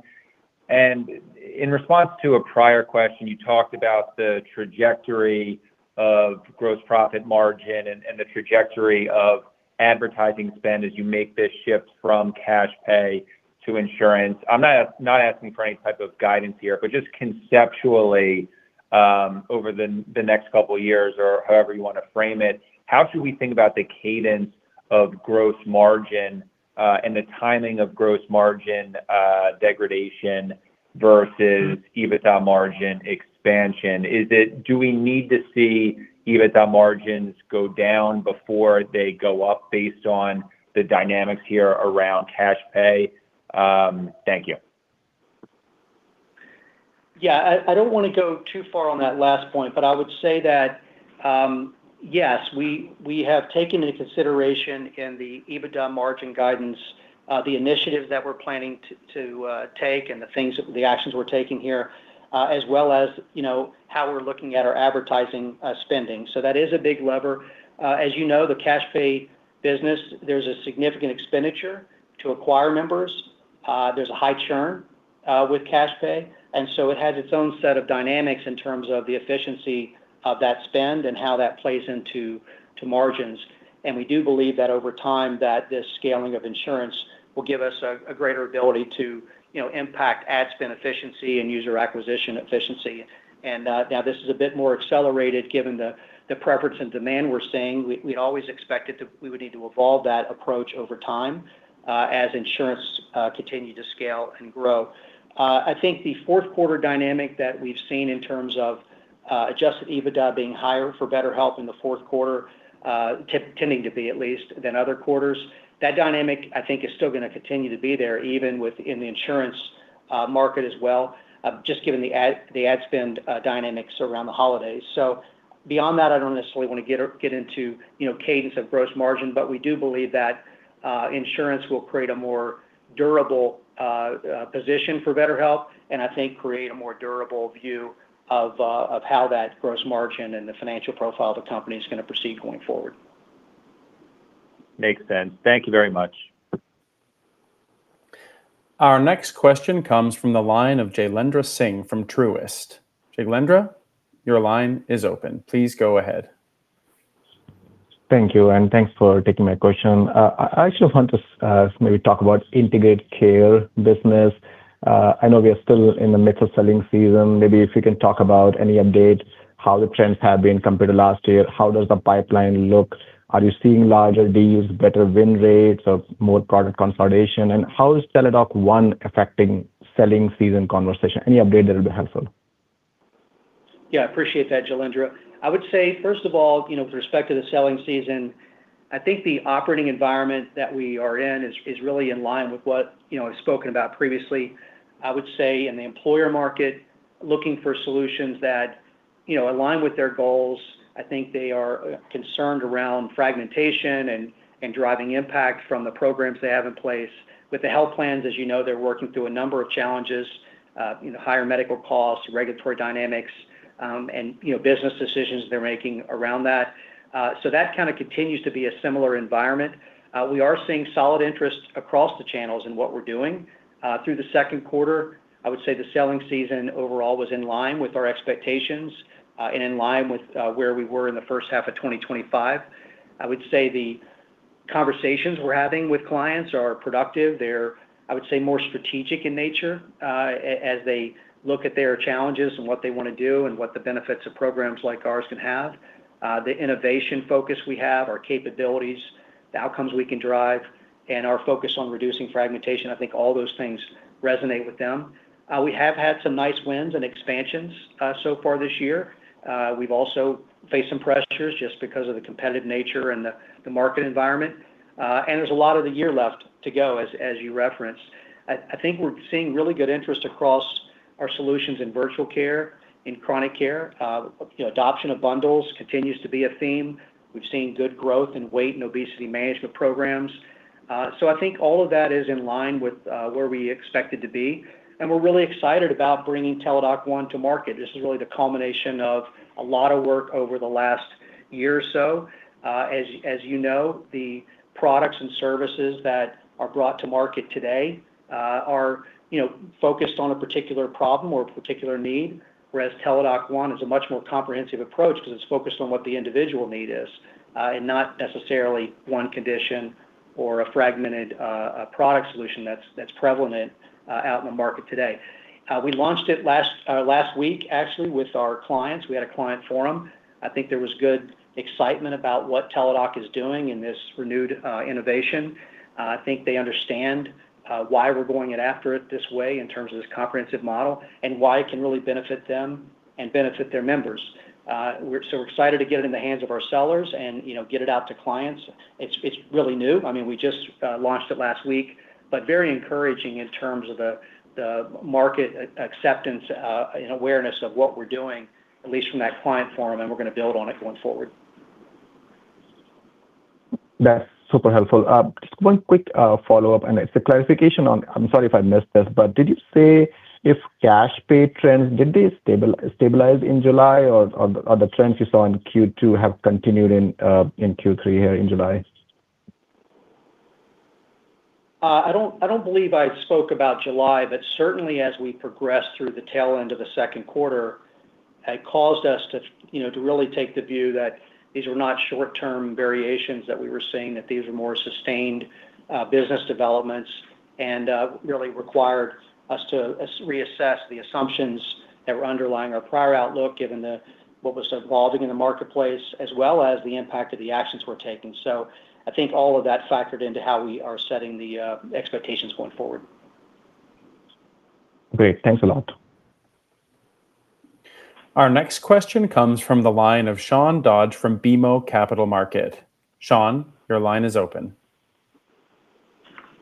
Speaker 9: In response to a prior question, you talked about the trajectory of gross profit margin and the trajectory of advertising spend as you make this shift from cash pay to insurance. I'm not asking for any type of guidance here, but just conceptually, over the next couple of years or however you want to frame it, how should we think about the cadence of gross margin, and the timing of gross margin degradation versus EBITDA margin expansion? Do we need to see EBITDA margins go down before they go up based on the dynamics here around cash pay? Thank you.
Speaker 3: Yeah, I don't want to go too far on that last point, but I would say that, yes, we have taken into consideration in the EBITDA margin guidance, the initiatives that we're planning to take and the actions we're taking here, as well as how we're looking at our advertising spending. That is a big lever. As you know, the cash pay business, there's a significant expenditure to acquire members. There's a high churn with cash pay, and so it has its own set of dynamics in terms of the efficiency of that spend and how that plays into margins. We do believe that over time, that this scaling of insurance will give us a greater ability to impact ad spend efficiency and user acquisition efficiency. Now, this is a bit more accelerated given the preference and demand we're seeing. We always expected that we would need to evolve that approach over time as insurance continued to scale and grow. I think the fourth quarter dynamic that we've seen in terms of adjusted EBITDA being higher for BetterHelp in the fourth quarter, tending to be at least, than other quarters. That dynamic, I think, is still going to continue to be there even within the insurance market as well, just given the ad spend dynamics around the holidays. Beyond that, I don't necessarily want to get into cadence of gross margin, but we do believe that insurance will create a more durable position for BetterHelp, and I think create a more durable view of how that gross margin and the financial profile of the company is going to proceed going forward.
Speaker 9: Makes sense. Thank you very much.
Speaker 1: Our next question comes from the line of Jailendra Singh from Truist. Jailendra, your line is open. Please go ahead.
Speaker 10: Thank you. Thanks for taking my question. I actually want to maybe talk about Integrated Care business. I know we are still in the middle selling season. Maybe if you can talk about any updates, how the trends have been compared to last year, how does the pipeline look? Are you seeing larger deals, better win rates of more product consolidation? How is Teladoc One affecting selling season conversation? Any update there would be helpful.
Speaker 3: Appreciate that, Jailendra. I would say, first of all, with respect to the selling season, I think the operating environment that we are in is really in line with what we've spoken about previously. I would say in the employer market, looking for solutions that align with their goals. I think they are concerned around fragmentation and driving impact from the programs they have in place. With the health plans, as you know, they're working through a number of challenges, higher medical costs, regulatory dynamics, and business decisions they're making around that. That kind of continues to be a similar environment. We are seeing solid interest across the channels in what we're doing. Through the second quarter, I would say the selling season overall was in line with our expectations, and in line with where we were in the first half of 2025. I would say the conversations we're having with clients are productive. They're, I would say, more strategic in nature, as they look at their challenges and what they want to do and what the benefits of programs like ours can have. The innovation focus we have, our capabilities, the outcomes we can drive, and our focus on reducing fragmentation, I think all those things resonate with them. We have had some nice wins and expansions so far this year. We've also faced some pressures just because of the competitive nature and the market environment. There's a lot of the year left to go, as you referenced. I think we're seeing really good interest across our solutions in virtual care, in chronic care. Adoption of bundles continues to be a theme. We've seen good growth in weight and obesity management programs. I think all of that is in line with where we expected to be, and we're really excited about bringing Teladoc One to market. This is really the culmination of a lot of work over the last year or so. As you know, the products and services that are brought to market today are focused on a particular problem or a particular need, whereas Teladoc One is a much more comprehensive approach because it's focused on what the individual need is, and not necessarily one condition or a fragmented product solution that's prevalent out in the market today. We launched it last week, actually, with our clients. We had a client forum. I think there was good excitement about what Teladoc is doing in this renewed innovation. I think they understand why we're going after it this way in terms of this comprehensive model, and why it can really benefit them and benefit their members. We're excited to get it in the hands of our sellers and get it out to clients. It's really new. We just launched it last week, but very encouraging in terms of the market acceptance and awareness of what we're doing, at least from that client forum, and we're going to build on it going forward.
Speaker 10: That's super helpful. Just one quick follow-up, and it's a clarification on, I'm sorry if I missed this, but did you say if cash pay trends, did they stabilize in July? Or the trends you saw in Q2 have continued in Q3 here in July?
Speaker 3: I don't believe I spoke about July, but certainly as we progressed through the tail end of the second quarter, it caused us to really take the view that these were not short-term variations that we were seeing, that these were more sustained business developments, and really required us to reassess the assumptions that were underlying our prior outlook, given what was evolving in the marketplace, as well as the impact of the actions we're taking. I think all of that factored into how we are setting the expectations going forward.
Speaker 10: Great. Thanks a lot.
Speaker 1: Our next question comes from the line of Sean Dodge from BMO Capital Markets. Sean, your line is open.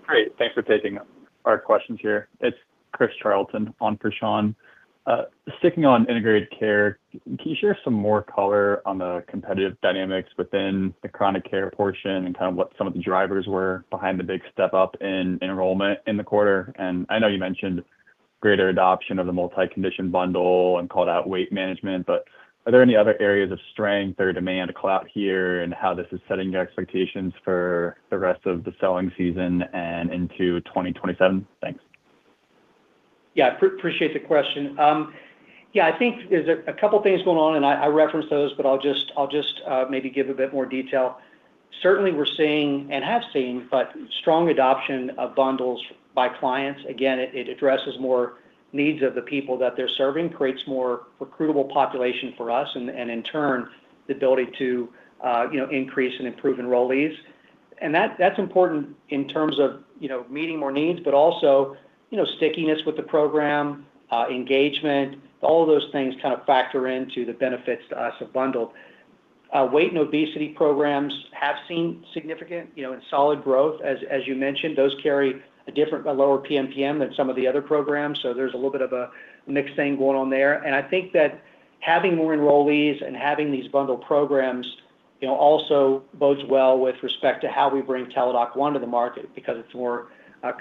Speaker 11: Great. Thanks for taking our questions here. It's Chris Charlton on for Sean. Sticking on Integrated Care, can you share some more color on the competitive dynamics within the chronic care portion and kind of what some of the drivers were behind the big step up in enrollment in the quarter? I know you mentioned greater adoption of the multi-condition bundle and called out weight management, but are there any other areas of strength or demand clout here in how this is setting your expectations for the rest of the selling season and into 2027? Thanks.
Speaker 3: Yeah. Appreciate the question. I think there's a couple of things going on, and I referenced those, but I'll just maybe give a bit more detail. Certainly, we're seeing, and have seen, but strong adoption of bundles by clients. Again, it addresses more needs of the people that they're serving, creates more recruitable population for us, and in turn, the ability to increase and improve enrollees. That's important in terms of meeting more needs, but also stickiness with the program, engagement. All of those things kind of factor into the benefits to us of bundle. Weight and obesity programs have seen significant and solid growth, as you mentioned. Those carry a different, lower PMPM than some of the other programs, so there's a little bit of a mix thing going on there. I think that having more enrollees and having these bundle programs also bodes well with respect to how we bring Teladoc One to the market because it's a more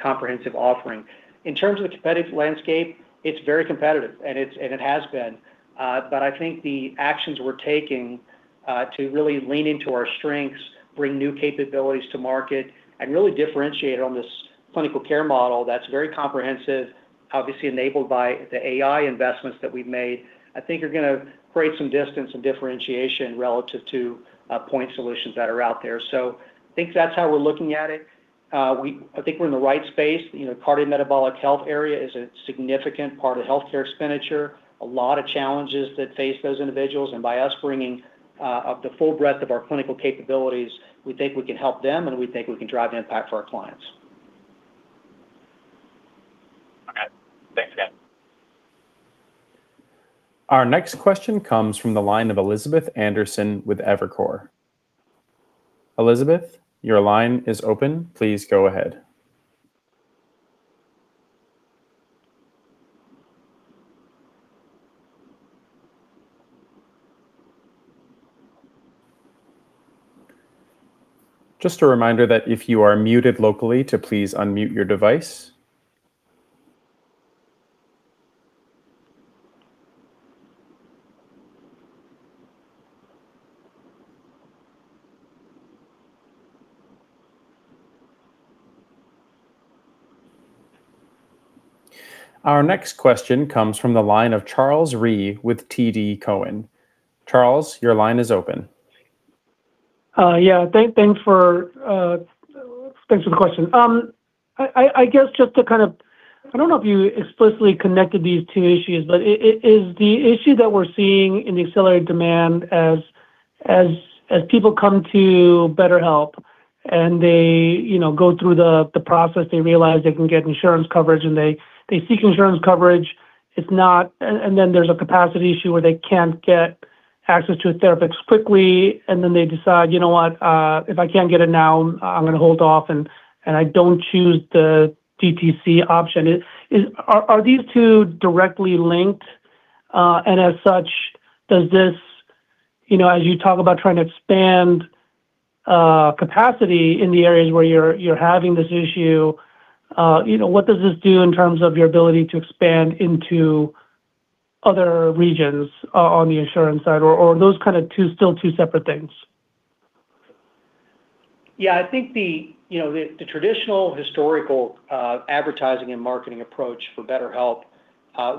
Speaker 3: comprehensive offering. In terms of the competitive landscape, it's very competitive, and it has been. I think the actions we're taking to really lean into our strengths, bring new capabilities to market, and really differentiate on this clinical care model that's very comprehensive, obviously enabled by the AI investments that we've made, I think are going to create some distance and differentiation relative to point solutions that are out there. I think that's how we're looking at it. I think we're in the right space. Cardiometabolic health area is a significant part of healthcare expenditure. A lot of challenges that face those individuals, and by us bringing the full breadth of our clinical capabilities, we think we can help them, and we think we can drive impact for our clients.
Speaker 11: Okay. Thanks again.
Speaker 1: Our next question comes from the line of Elizabeth Anderson with Evercore. Elizabeth, your line is open. Please go ahead. Just a reminder that if you are muted locally, to please unmute your device. Our next question comes from the line of Charles Rhyee with TD Cowen. Charles, your line is open.
Speaker 12: Yeah. Thanks for the question. Is the issue that we're seeing in the accelerated demand as people come to BetterHelp and they go through the process, they realize they can get insurance coverage, and they seek insurance coverage? Then there's a capacity issue where they can't get access to a therapist quickly, and then they decide, "You know what? If I can't get it now, I'm going to hold off, and I don't choose the DTC option." Are these two directly linked? As such, as you talk about trying to expand capacity in the areas where you're having this issue, what does this do in terms of your ability to expand into other regions on the insurance side, or are those two still two separate things?
Speaker 3: Yeah, I think the traditional historical advertising and marketing approach for BetterHelp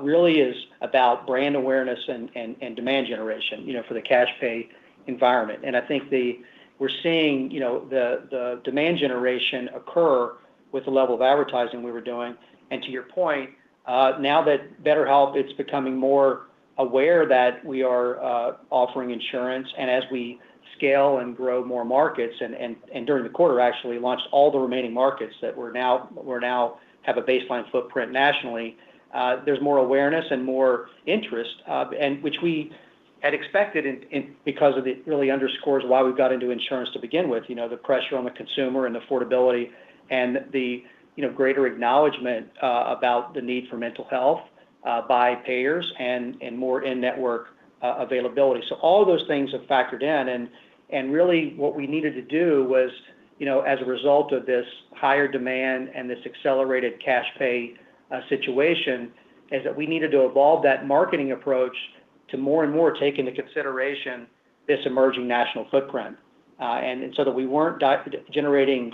Speaker 3: really is about brand awareness and demand generation for the cash pay environment. I think we're seeing the demand generation occur with the level of advertising we were doing. To your point, now that BetterHelp is becoming more aware that we are offering insurance, and as we scale and grow more markets, and during the quarter actually launched all the remaining markets that we now have a baseline footprint nationally. There's more awareness and more interest, which we had expected because it really underscores why we got into insurance to begin with. The pressure on the consumer and affordability and the greater acknowledgement about the need for mental health by payers and more in-network availability. All of those things have factored in, and really what we needed to do was, as a result of this higher demand and this accelerated cash pay situation, is that we needed to evolve that marketing approach to more and more take into consideration this emerging national footprint. That we weren't generating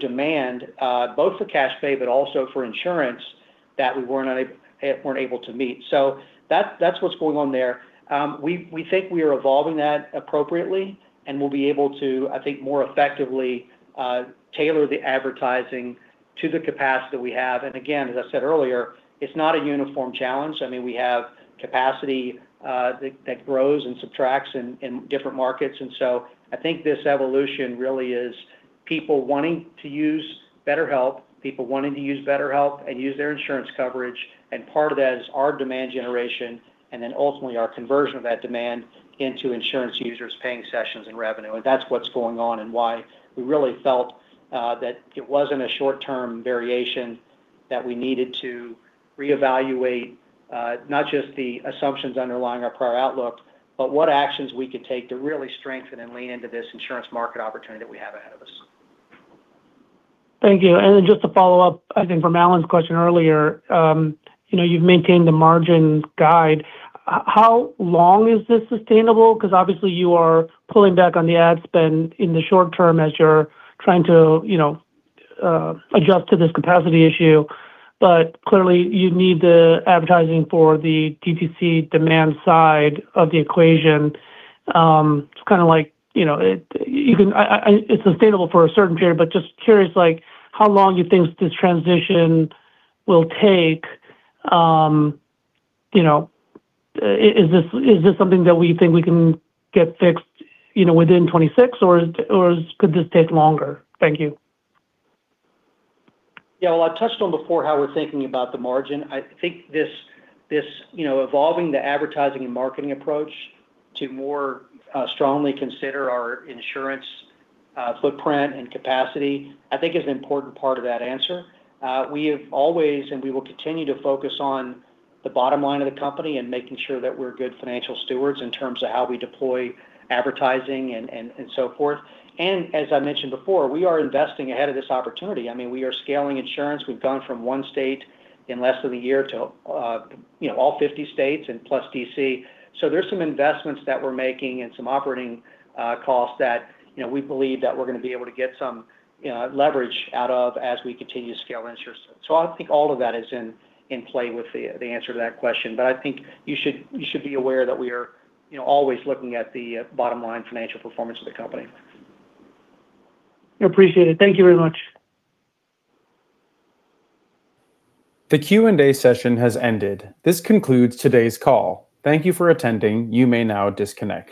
Speaker 3: demand both for cash pay, but also for insurance that we weren't able to meet. That's what's going on there. We think we are evolving that appropriately, and we'll be able to, I think, more effectively tailor the advertising to the capacity that we have. Again, as I said earlier, it's not a uniform challenge. We have capacity that grows and subtracts in different markets. I think this evolution really is people wanting to use BetterHelp, people wanting to use BetterHelp and use their insurance coverage, and part of that is our demand generation and then ultimately our conversion of that demand into insurance users paying sessions and revenue. That's what's going on and why we really felt that it wasn't a short-term variation that we needed to reevaluate, not just the assumptions underlying our prior outlook, but what actions we could take to really strengthen and lean into this insurance market opportunity that we have ahead of us.
Speaker 12: Thank you. Just to follow up, I think from Allen's question earlier, you've maintained the margins guide. How long is this sustainable? Because obviously you are pulling back on the ad spend in the short term as you're trying to adjust to this capacity issue. But clearly you need the advertising for the DTC demand side of the equation. It's sustainable for a certain period, but just curious how long you think this transition will take. Is this something that we think we can get fixed within 2026, or could this take longer? Thank you.
Speaker 3: Well, I touched on before how we're thinking about the margin. I think this evolving the advertising and marketing approach to more strongly consider our insurance footprint and capacity, I think is an important part of that answer. We have always and we will continue to focus on the bottom line of the company and making sure that we're good financial stewards in terms of how we deploy advertising and so forth. As I mentioned before, we are investing ahead of this opportunity. We are scaling insurance. We've gone from one state in less than a year to all 50 states and plus D.C. There's some investments that we're making and some operating costs that we believe that we're going to be able to get some leverage out of as we continue to scale insurance. I think all of that is in play with the answer to that question. I think you should be aware that we are always looking at the bottom line financial performance of the company.
Speaker 12: Appreciate it. Thank you very much.
Speaker 1: The Q&A session has ended. This concludes today's call. Thank you for attending. You may now disconnect.